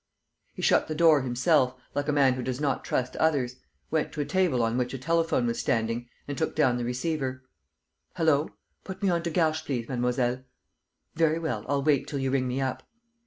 He shut the door himself, like a man who does not trust others, went to a table on which a telephone was standing and took down the receiver: "Hullo! ... Put me on to Garches, please, mademoiselle. ... Very well, I'll wait till you ring me up.